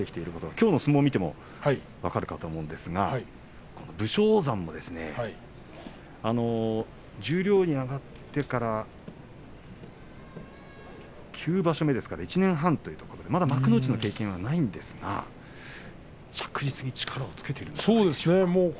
きょうの相撲を見ても新しい力が上がってきているのが分かりますが、武将山も十両に上がってから９場所目ですから１年半というところでまだ幕内の経験がないんですが着実に力をつけていますね。